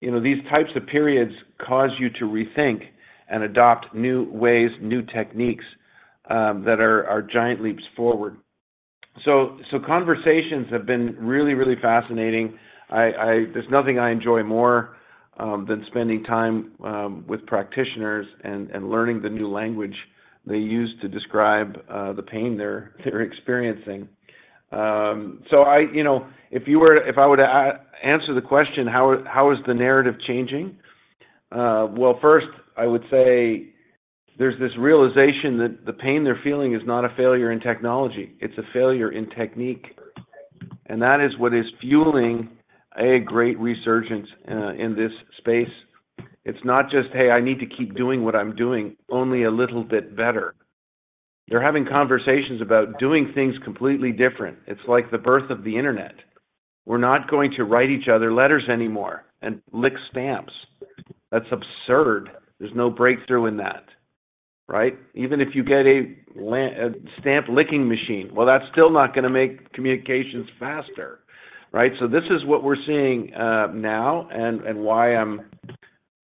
you know, these types of periods cause you to rethink and adopt new ways, new techniques, that are, are giant leaps forward. So conversations have been really, really fascinating. I, I... There's nothing I enjoy more than spending time with practitioners and, and learning the new language they use to describe the pain they're, they're experiencing. I, you know, if you were to if I were to answer the question, how is, how is the narrative changing? Well, first, I would say there's this realization that the pain they're feeling is not a failure in technology, it's a failure in technique, and that is what is fueling a great resurgence in this space. It's not just, "Hey, I need to keep doing what I'm doing, only a little bit better." They're having conversations about doing things completely different. It's like the birth of the internet. We're not going to write each other letters anymore and lick stamps. That's absurd. There's no breakthrough in that, right? Even if you get a a stamp-licking machine, well, that's still not gonna make communications faster, right? This is what we're seeing, now, and, and why I'm.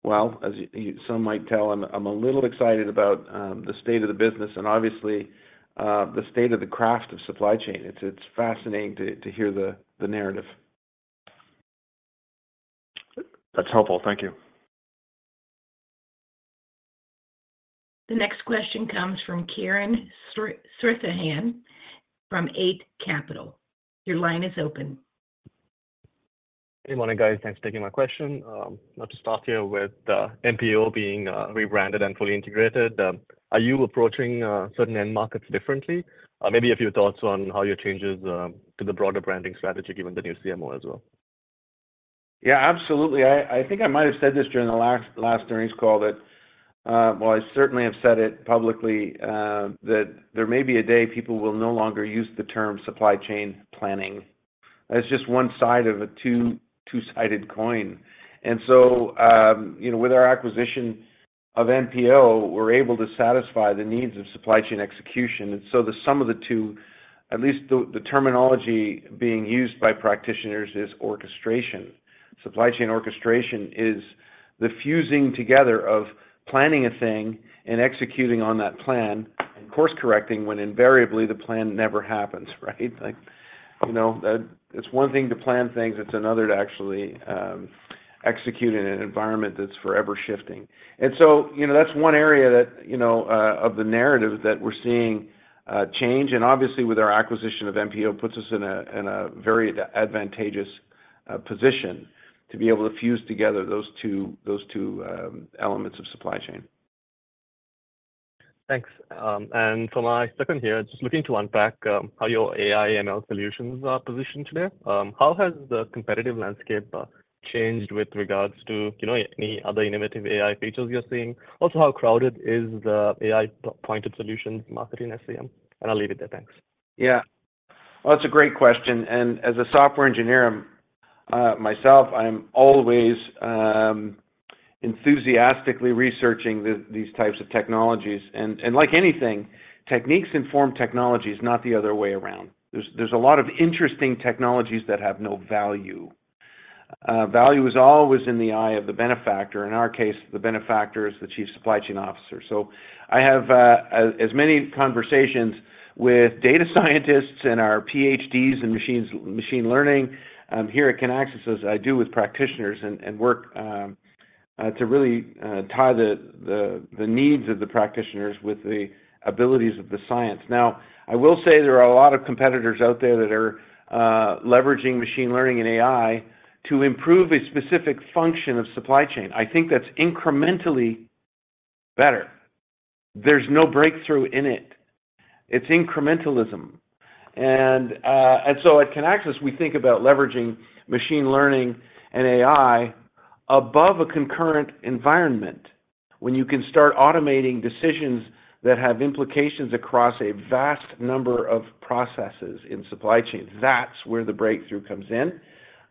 Well, as you, you some might tell, I'm, I'm a little excited about, the state of the business and obviously, the state of the craft of supply chain. It's, it's fascinating to, to hear the, the narrative. That's helpful. Thank you. The next question comes from Kiran Sritharan from Eight Capital. Your line is open. Good morning, guys. Thanks for taking my question. Now to start here with the MPO being rebranded and fully integrated, are you approaching certain end markets differently? Maybe a few thoughts on how your changes to the broader branding strategy, given the new CMO as well? Yeah, absolutely. I, I think I might have said this during the last, last earnings call that, well, I certainly have said it publicly, that there may be a day people will no longer use the term supply chain planning. That's just one side of a two-sided coin. So, you know, with our acquisition of MPO, we're able to satisfy the needs of supply chain execution. So the sum of the two, at least the, the terminology being used by practitioners, is orchestration. Supply chain orchestration is the fusing together of planning a thing and executing on that plan, and course-correcting when invariably the plan never happens, right? Like, you know, that it's one thing to plan things, it's another to actually execute in an environment that's forever shifting. You know, that's one area that, you know, of the narrative that we're seeing, change. Obviously, with our acquisition of MPO, puts us in a, in a very advantageous position to be able to fuse together those two, those two elements of supply chain. Thanks. For my second here, just looking to unpack, how your AI/ML solutions are positioned today. How has the competitive landscape, changed with regards to, you know, any other innovative AI features you're seeing? Also, how crowded is the AI pointed solutions market in SCM? I'll leave it there. Thanks. Yeah. Well, that's a great question, and as a software engineer, myself, I'm always enthusiastically researching these types of technologies. Like anything, techniques inform technology, not the other way around. There's a lot of interesting technologies that have no value. Value is always in the eye of the benefactor, in our case, the benefactor is the Chief Supply Chain Officer. I have as many conversations with data scientists and our PhDs in machine learning here at Kinaxis, as I do with practitioners, and work to really tie the needs of the practitioners with the abilities of the science. Now, I will say there are a lot of competitors out there that are leveraging machine learning and AI to improve a specific function of supply chain. I think that's incrementally better. There's no breakthrough in it. It's incrementalism. At Kinaxis, we think about leveraging machine learning and AI above a concurrent environment. When you can start automating decisions that have implications across a vast number of processes in supply chain, that's where the breakthrough comes in.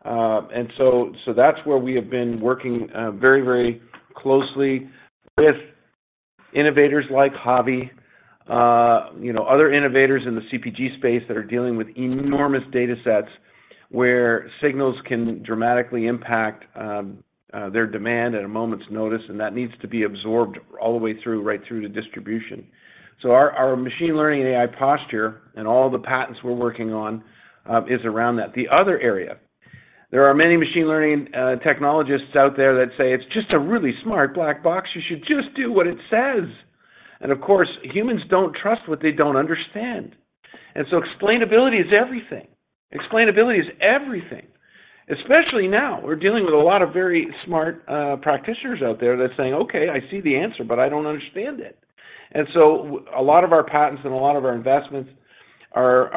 That's where we have been working very, very closely with innovators like HAVI, you know, other innovators in the CPG space that are dealing with enormous data sets, where signals can dramatically impact their demand at a moment's notice, and that needs to be absorbed all the way through, right through to distribution. Our, our machine learning and AI posture, and all the patents we're working on, is around that. The other area, there are many machine learning technologists out there that say, "It's just a really smart black box. You should just do what it says!" Of course, humans don't trust what they don't understand. Explainability is everything. Explainability is everything, especially now. We're dealing with a lot of very smart practitioners out there that are saying, "Okay, I see the answer, but I don't understand it." A lot of our patents and a lot of our investments are,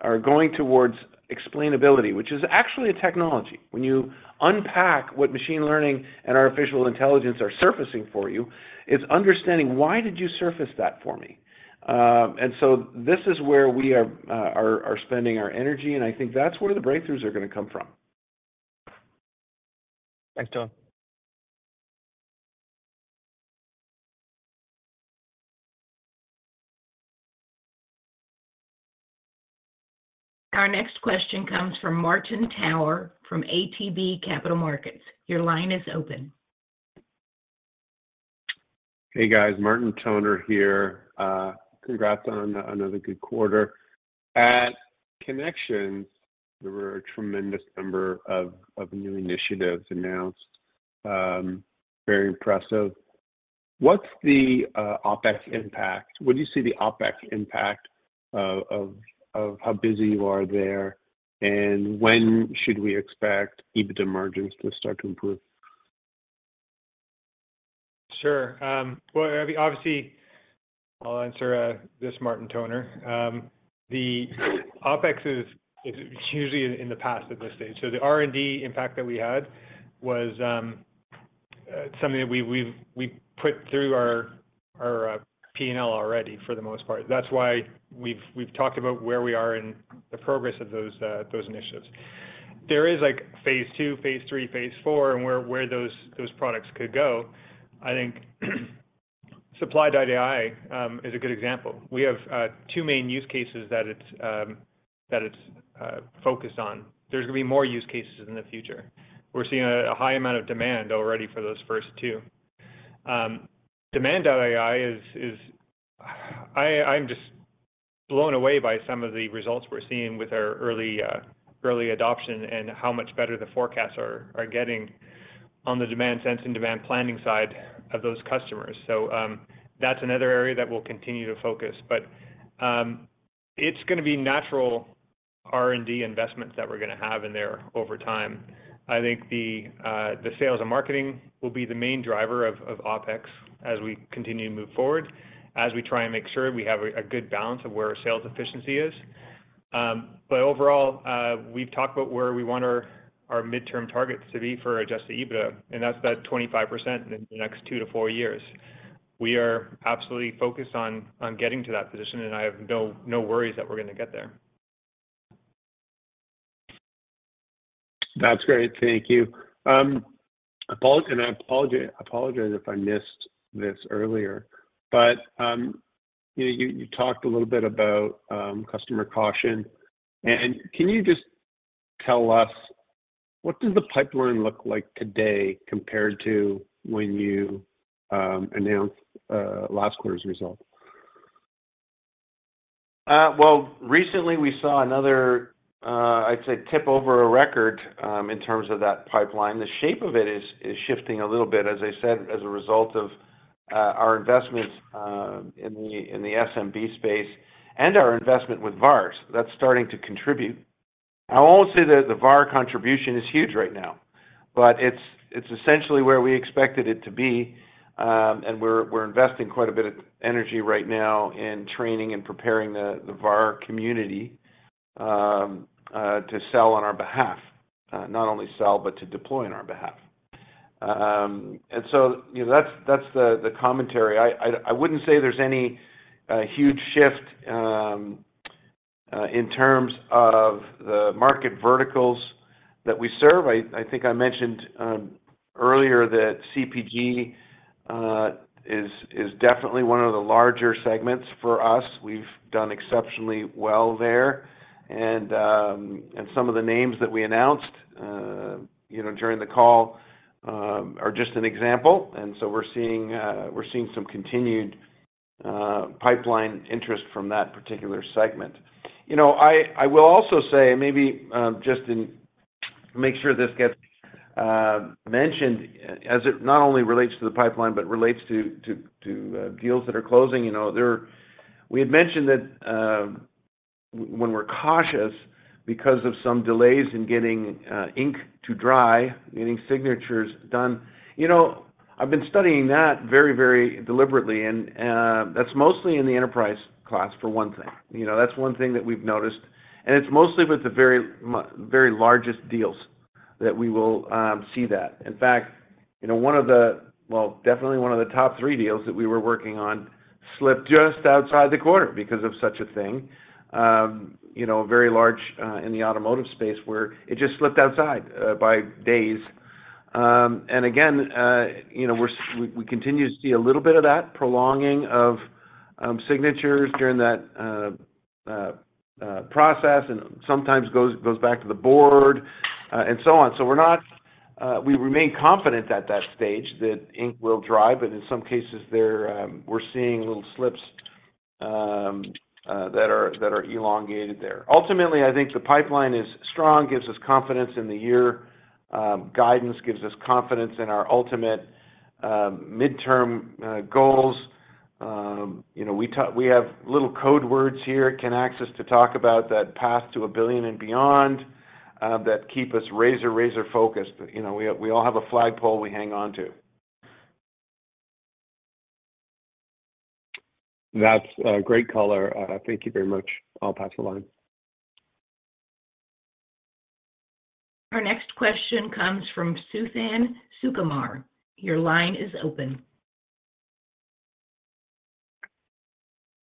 are going towards explainability, which is actually a technology. When you unpack what machine learning and artificial intelligence are surfacing for you, it's understanding: Why did you surface that for me? This is where we are spending our energy, and I think that's where the breakthroughs are gonna come from. Thanks, John. Our next question comes from Martin Toner from ATB Capital Markets. Your line is open. Hey, guys, Martin Toner here. Congrats on another good quarter. At Kinexions, there were a tremendous number of new initiatives announced, very impressive. What's the OpEx impact? What do you see the OpEx impact of how busy you are there, and when should we expect EBITDA margins to start to improve? Sure. Well, obviously, I'll answer this, Martin Toner. The OpEx is, is usually in the past at this stage. The R&D impact that we had was something that we've, we put through our P&L already, for the most part. That's why we've, we've talked about where we are in the progress of those initiatives. There is, like, phase two, phase three, phase four, and where, where those, those products could go. I think, Supply.ai is a good example. We have two main use cases that it's that it's focused on. There's gonna be more use cases in the future. We're seeing a high amount of demand already for those first two. Demand.AI is, is... I, I'm just blown away by some of the results we're seeing with our early, early adoption and how much better the forecasts are, are getting on the demand sense and demand planning side of those customers. That's another area that we'll continue to focus, but it's gonna be natural R&D investments that we're gonna have in there over time. I think the sales and marketing will be the main driver of OpEx as we continue to move forward, as we try and make sure we have a good balance of where our sales efficiency is. Overall, we've talked about where we want our, our midterm targets to be for Adjusted EBITDA, and that's about 25% in the next two-four years. We are absolutely focused on, on getting to that position. I have no, no worries that we're gonna get there. That's great, thank you. I apologize if I missed this earlier, but, you know, you, you talked a little bit about customer caution. Can you just tell us what does the pipeline look like today compared to when you announced last quarter's result? Well, recently we saw another, I'd say, tip over a record in terms of that pipeline. The shape of it is, is shifting a little bit, as I said, as a result of our investment in the SMB space, and our investment with VARs. That's starting to contribute. I won't say that the VAR contribution is huge right now, but it's, it's essentially where we expected it to be. We're, we're investing quite a bit of energy right now in training and preparing the VAR community to sell on our behalf. Not only sell, but to deploy on our behalf. You know, that's, that's the, the commentary. I, I, I wouldn't say there's any huge shift in terms of the market verticals that we serve. I, I think I mentioned earlier that CPG is definitely one of the larger segments for us. We've done exceptionally well there, and some of the names that we announced, you know, during the call, are just an example. And so we're seeing, we're seeing some continued pipeline interest from that particular segment. You know, I, I will also say maybe, just make sure this gets mentioned, as it not only relates to the pipeline, but relates to, to, to deals that are closing. You know, there... We had mentioned that w- when we're cautious because of some delays in getting ink to dry, getting signatures done, you know, I've been studying that very, very deliberately, and that's mostly in the enterprise class, for one thing. You know, that's one thing that we've noticed, and it's mostly with the very very largest deals that we will see that. In fact, you know, one of the... Well, definitely one of the top 3 deals that we were working on slipped just outside the quarter because of such a thing. You know, very large, in the automotive space, where it just slipped outside by days. Again, you know, we, we continue to see a little bit of that prolonging of signatures during that process, and sometimes goes, goes back to the board, and so on. We're not... We remain confident at that stage that ink will dry, but in some cases there, we're seeing little slips that are, that are elongated there. Ultimately, I think the pipeline is strong, gives us confidence in the year, guidance gives us confidence in our ultimate, midterm, goals. You know, we have little code words here at Kinaxis to talk about that path to $1 billion and beyond, that keep us razor, razor focused. You know, we all, we all have a flagpole we hang on to. That's a great color. Thank you very much. I'll pass the line. Our next question comes from Suthan Sukumar. Your line is open.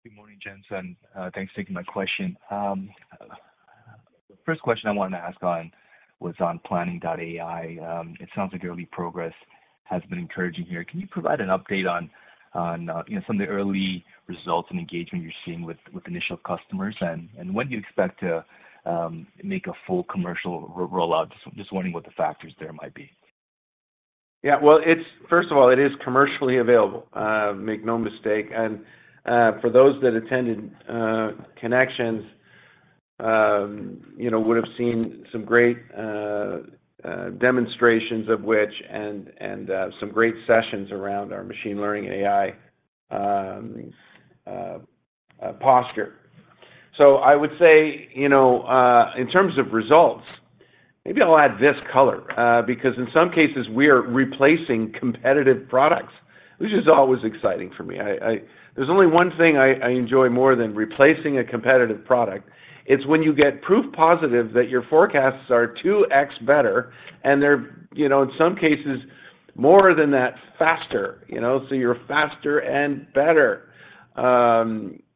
Good morning, gents, and thanks for taking my question. First question I wanted to ask on was on Planning.AI. It sounds like your early progress has been encouraging here. Can you provide an update on, you know, some of the early results and engagement you're seeing with, with initial customers? When do you expect to make a full commercial rollout? Just, just wondering what the factors there might be. Yeah, well, it's first of all, it is commercially available, make no mistake. For those that attended Kinexions, you know, would have seen some great demonstrations of which, and, and, some great sessions around our machine learning and AI posture. I would say, you know, in terms of results, maybe I'll add this color, because in some cases, we are replacing competitive products, which is always exciting for me. I, I There's only one thing I, I enjoy more than replacing a competitive product, it's when you get proof positive that your forecasts are 2x better, and they're, you know, in some cases, more than that, faster, you know? You're faster and better,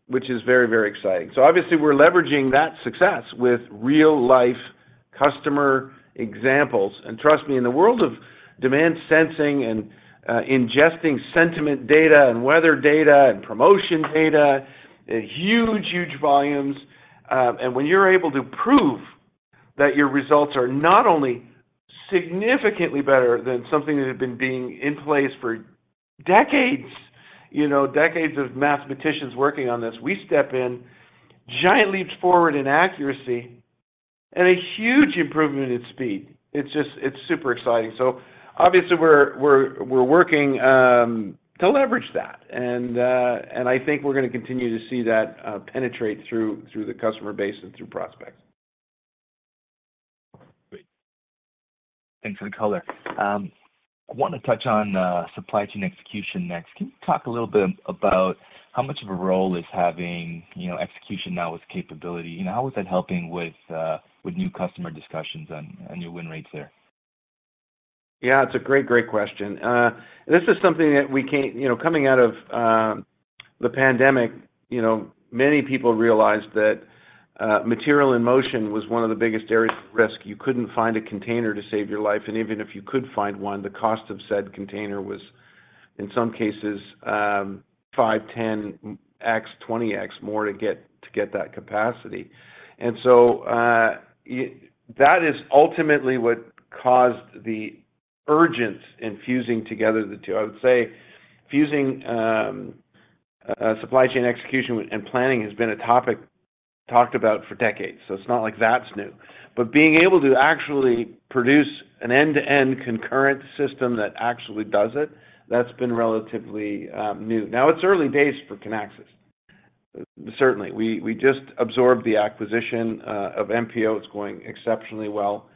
which is very, very exciting. Obviously, we're leveraging that success with real-life customer examples. Trust me, in the world of demand sensing and ingesting sentiment data, and weather data, and promotion data, huge, huge volumes, and when you're able to prove that your results are not only significantly better than something that had been being in place for decades, you know, decades of mathematicians working on this, we step in, giant leaps forward in accuracy and a huge improvement in speed. It's just, it's super exciting. Obviously, we're working to leverage that. I think we're gonna continue to see that penetrate through, through the customer base and through prospects. Great. Thanks for the color. I want to touch on supply chain execution next. Can you talk a little bit about how much of a role is having, you know, execution now with capability? You know, how is that helping with new customer discussions and, and new win rates there? Yeah, it's a great, great question. This is something that we can't, you know, coming out of the pandemic, you know, many people realized that material in motion was one of the biggest areas of risk. You couldn't find a container to save your life, and even if you could find one, the cost of said container was, in some cases, 5x, 10x, 20x more to get, to get that capacity. That is ultimately what caused the urgency in fusing together the two. I would say fusing supply chain execution and planning has been a topic talked about for decades, so it's not like that's new. Being able to actually produce an end-to-end concurrent system that actually does it, that's been relatively new. It's early days for Kinaxis. Certainly, we, we just absorbed the acquisition of MPO. It's going exceptionally well.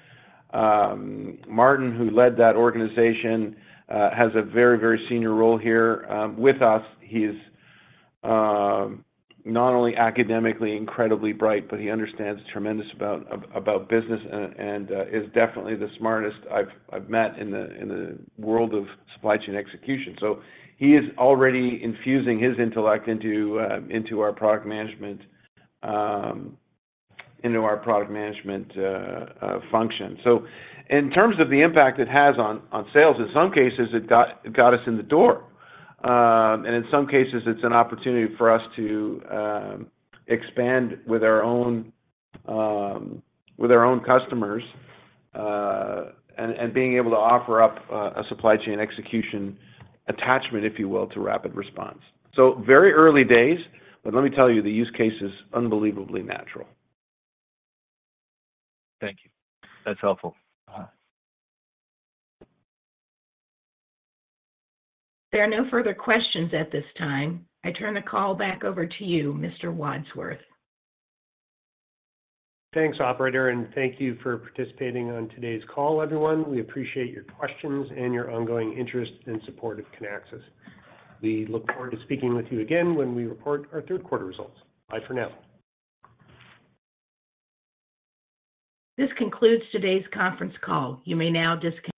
Martin, who led that organization, has a very, very senior role here with us. He's not only academically incredibly bright, but he understands tremendous about business and is definitely the smartest I've met in the world of supply chain execution. He is already infusing his intellect into into our product management into our product management function. In terms of the impact it has on sales, in some cases, it got us in the door. In some cases, it's an opportunity for us to expand with our own with our own customers and being able to offer up a supply chain execution attachment, if you will, to RapidResponse. Very early days, but let me tell you, the use case is unbelievably natural. Thank you. That's helpful. Uh-huh. There are no further questions at this time. I turn the call back over to you, Mr. Wadsworth. Thanks, operator. Thank you for participating on today's call, everyone. We appreciate your questions and your ongoing interest and support of Kinaxis. We look forward to speaking with you again when we report our third quarter results. Bye for now. This concludes today's conference call. You may now disconnect.